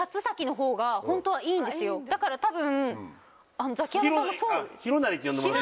だから多分。